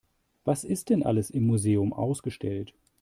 Was ist denn alles im Museum ausgestellt?